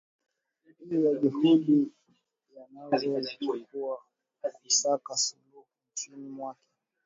juu ya juhudi yanazo zichukuwa kusaka suluhu nchini mwake